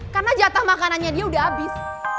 karena jatoh makanannya dia udah abis